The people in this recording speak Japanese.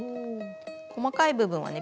細かい部分はね